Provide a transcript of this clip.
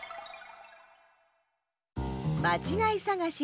まちがいさがし２